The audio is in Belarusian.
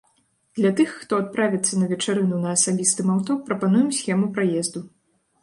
Для тых, хто адправіцца на вечарыну на асабістым аўто, прапануем схему праезду.